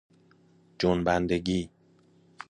جنبندگی